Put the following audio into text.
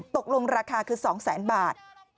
ตกลงราคาคือ๒แสนบาท